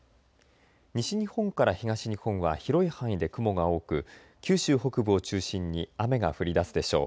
西日本から東日本は広い範囲で雲が多く九州北部を中心に雨が降りだすでしょう。